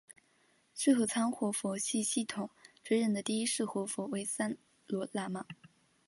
智合仓活佛系统追认的第一世活佛为三罗喇嘛。